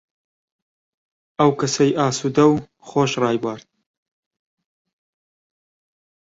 ئەو کەسەی ئاسوودەو و خۆش ڕایبوارد،